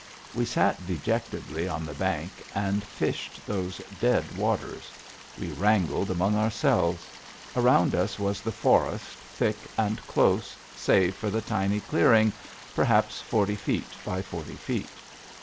We sat dejectedly on the bank and fished those dead waters. We wrangled among ourselves. Around us was the forest, thick and close save for the tiny clearing, perhaps forty feet by forty feet.